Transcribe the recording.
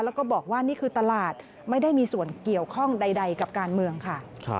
แล้วก็บอกว่านี่คือตลาดไม่ได้มีส่วนเกี่ยวข้องใดกับการเมืองค่ะ